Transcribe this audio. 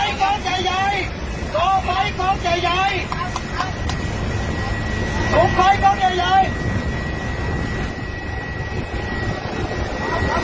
อย่าอย่าอย่าอย่าอย่าอย่าอย่าอย่าอย่าอย่าอย่าอย่าอย่าอย่า